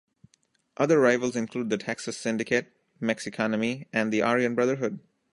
Other rivals include the Texas Syndicate, Mexikanemi and the Aryan Brotherhood.